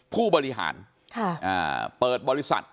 ผู้บริหาร